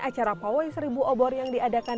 acara pawai seribu obor yang diadakan